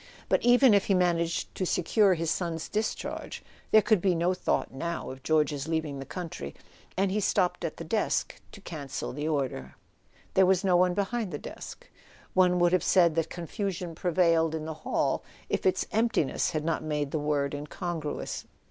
But even if he managed to secure his son's discharge, there could be no thought, now, of George's leaving the country; and he stopped at the desk to cancel the order. There was no one behind the desk: one would have A SON AT THE FRONT said that confusion prevailed in the hall, if its empti¬ ness had not made the word incongruous.